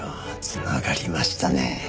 繋がりましたね。